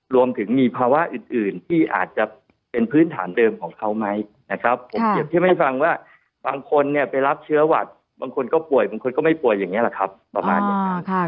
รวมถึงมีภาวะอื่นที่อาจจะเป็นพื้นฐานเดิมของเขาไหมนะครับผมเปรียบเทียบให้ฟังว่าบางคนเนี่ยไปรับเชื้อหวัดบางคนก็ป่วยบางคนก็ไม่ป่วยอย่างนี้แหละครับประมาณอย่างนั้น